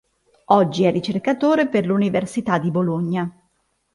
Oggi è ricercatore per l'Università di Bologna.